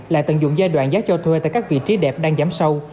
lại tận dụng giai đoạn giá cho thuê tại các vị trí đẹp đang giảm sâu